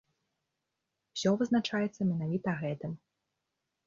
Усё вызначаецца менавіта гэтым.